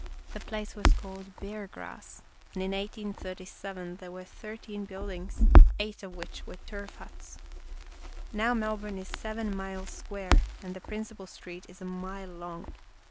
The place was called Bear Grass, and in 1837 there were thir teen buildings, eight of which were turf huts. Now Melbourne is seven miles square and the principal street is a mile long.